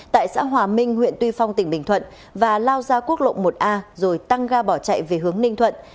tại xã hòa minh huyện tuy phong tỉnh bình thuận và lao ra quốc lộ một a rồi tăng ga bỏ chạy về hướng ninh thuận